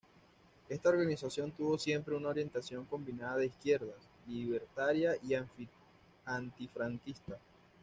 Esta organización tuvo siempre una orientación combinada de izquierdas, libertaria y antifranquista.